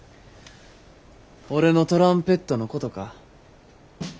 俺のトランペットのことか？